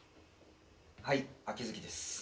はい秋月です。